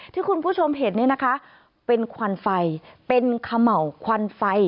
ที่คุณผู้ชมเห็นเนี่ยนะคะเป็นควันไฟเป็นเขม่าวควันไฟ